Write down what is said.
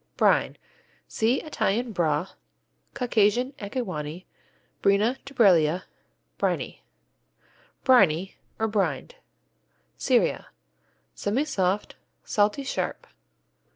Brine see Italian Bra, Caucasian Ekiwani, Brina Dubreala, Briney. Briney, or Brined Syria Semisoft, salty, sharp.